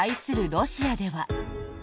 ロシアでは。